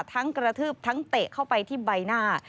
กระทืบทั้งเตะเข้าไปที่ใบหน้า